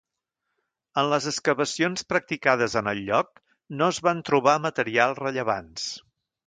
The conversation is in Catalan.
En les excavacions practicades en el lloc no es van trobar materials rellevants.